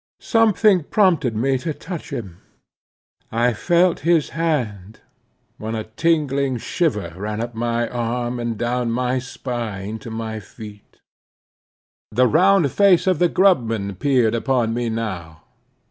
Something prompted me to touch him. I felt his hand, when a tingling shiver ran up my arm and down my spine to my feet. The round face of the grub man peered upon me now.